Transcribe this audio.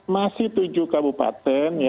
masih tujuh kabupaten